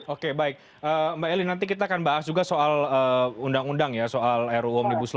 oke baik mbak eli nanti kita akan bahas juga soal undang undang ya soal ruu omnibus law